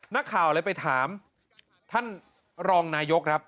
นักข่าวเลยไปถามท่านรองนายกครับ